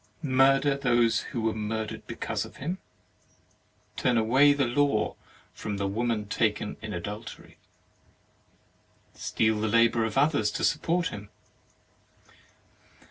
murder those who were mur dered because of Him? turn away the law from the woman taken in adultery, steal the labour of others to support Him?